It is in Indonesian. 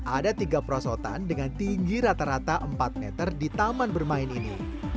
ada tiga perosotan dengan tinggi rata rata empat meter di taman bermain ini